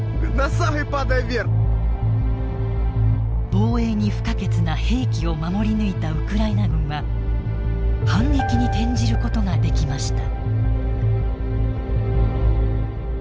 防衛に不可欠な兵器を守り抜いたウクライナ軍は反撃に転じることができました。